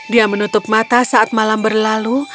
dia menutup mata saat malam berlalu